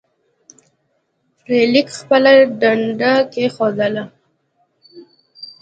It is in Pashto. فلیریک خپله ډنډه کیښودله.